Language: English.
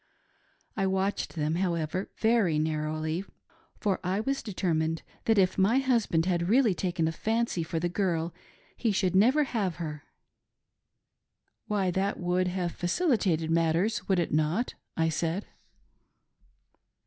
I watched them, however, very narrowly, for I was determined that if my husband had really taken a fancy for the girl he should never have her." " Why, that would have facilitated matters, would it not ?" I said.